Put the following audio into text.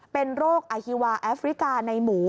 เป็นโรคอฮิวาแอฟริกาในหมู